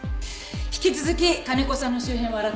引き続き金子さんの周辺を洗って。